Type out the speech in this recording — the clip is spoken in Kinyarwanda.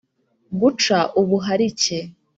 guca ubuharike